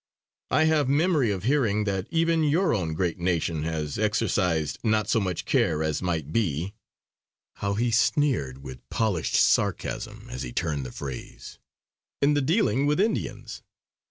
I have memory of hearing that even your own great nation has exercised not so much care as might be" how he sneered with polished sarcasm as he turned the phrase "in the dealing with Indians.